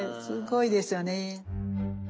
すごいですよね。